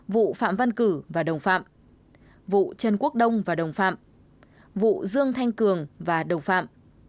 vụ phạm văn cử và đồng phạm vụ trần quốc đông và đồng phạm vụ dương thanh cường và đồng phạm